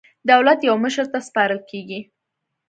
دولت یو مشر ته سپارل کېږي.